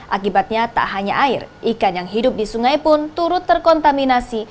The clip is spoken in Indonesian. akibatnya tak hanya air ikan yang hidup di sungai pun turut terkontaminasi